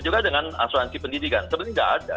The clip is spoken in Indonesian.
juga dengan asuransi pendidikan sebenarnya tidak ada